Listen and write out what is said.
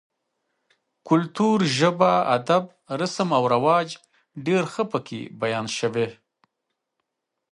کلتور, ژبه ، اداب، رسم رواج ډېر ښه پکې بيان شوي